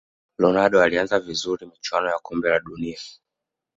ronaldo alianza vizuri michuano ya kombe la dunia